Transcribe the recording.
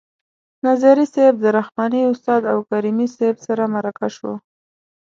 نظري صیب د رحماني استاد او کریمي صیب سره مرکه شو.